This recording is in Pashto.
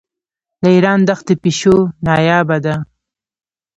د ایران دښتي پیشو نایابه ده.